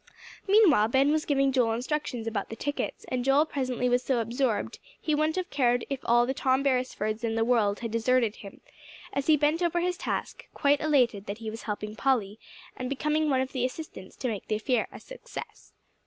Meanwhile Ben was giving Joel instructions about the tickets; and Joel presently was so absorbed he wouldn't have cared if all the Tom Beresfords in the world had deserted him, as he bent over his task, quite elated that he was helping Polly, and becoming one of the assistants to make the affair a success.